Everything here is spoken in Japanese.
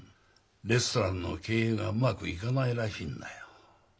レストランの経営がうまくいかないらしいんだよ。